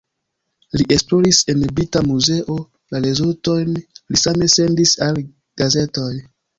Li esploris en Brita Muzeo, la rezultojn li same sendis al gazetoj.